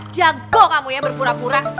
jago kamu ya berpura pura